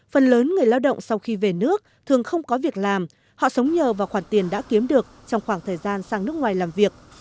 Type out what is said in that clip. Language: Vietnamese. phần lớn người lao động sau khi về nước thường không có việc làm họ sống nhờ vào khoản tiền đã kiếm được trong khoảng thời gian sang nước ngoài làm việc